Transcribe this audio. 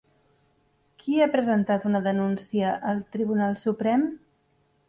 Qui ha presentat una denúncia al Tribunal Suprem?